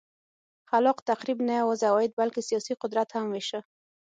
خلاق تخریب نه یوازې عواید بلکه سیاسي قدرت هم وېشه.